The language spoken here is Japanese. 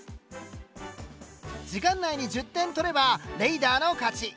時間内に１０点取ればレイダーの勝ち。